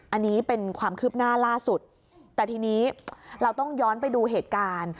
อันนี้เป็นความคืบหน้าล่าสุดแต่ทีนี้เราต้องย้อนไปดูเหตุการณ์